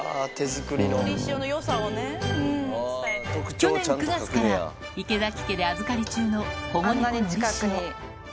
去年９月から池崎家で預かり中の保護猫、のりしお。